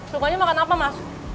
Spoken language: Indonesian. sukanya makan apa mas